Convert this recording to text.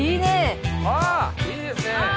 あっいいですね。